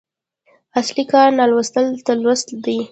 اصلي کار نالوستو ته لوست دی.